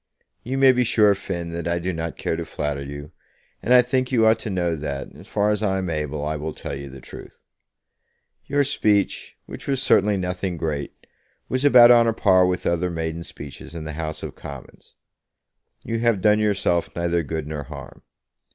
You may be sure, Finn, that I do not care to flatter you, and I think you ought to know that, as far as I am able, I will tell you the truth. Your speech, which was certainly nothing great, was about on a par with other maiden speeches in the House of Commons. You have done yourself neither good nor harm.